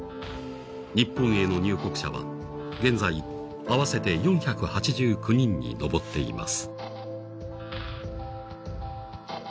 日本への入国者は現在合わせて４８９人に上っています。